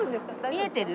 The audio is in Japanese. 見えてる？